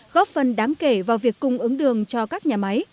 góp phần đáng kể vào việc cung ứng đường cho các nhà máy